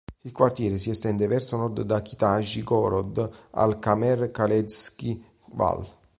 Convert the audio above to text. Il quartiere si estende verso nord da Kitaj-gorod al Kamer-Kolležskij Val.